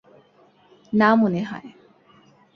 না মনে হয়।